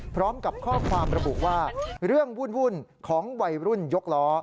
พร้อมกับข้อความระบุว่าเรื่องวุ่นของวัยรุ่นยกล้อ